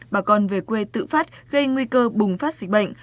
bà con về quê tự phát gây nguy cơ bùng phát dịch bệnh